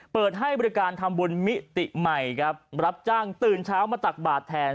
เปิดให้บริการทำบุญมิติใหม่ครับรับจ้างตื่นเช้ามาตักบาทแทน